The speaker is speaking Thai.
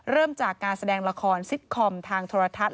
เริ่มจากการแสดงละครซิตคอมทางโทรทัศน์